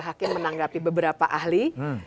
hakim menanggapi beberapa ahli